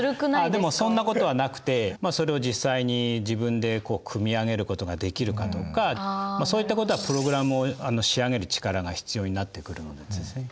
でもそんなことはなくてそれを実際に自分で組み上げることができるかどうかそういったことはプログラムを仕上げる力が必要になってくるんですね。